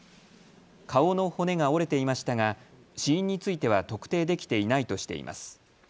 顔の骨が折れていましたが死因については特定できていないとしています。